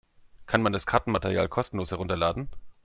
Kann man das Kartenmaterial kostenlos herunterladen?